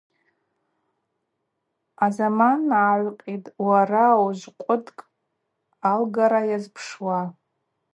Азаман агӏвкъьитӏ, уара уыжвкъвыдкӏ алгара йазпшума.